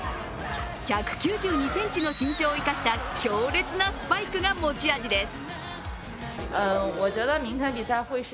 １９２ｃｍの身長を生かした強烈なスパイクが持ち味です。